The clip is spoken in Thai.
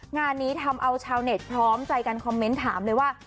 งานนี้ทำเอาชาวเน็ตพร้อมใจกันคอมเมนต์ถามเลยว่า